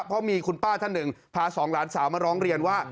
เพราะมีคุณป้าท่านหนึ่งพาสองหลานสาวมาร้องเรียนว่า